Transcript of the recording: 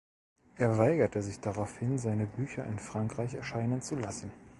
Er weigerte sich daraufhin, seine Bücher in Frankreich erscheinen zu lassen.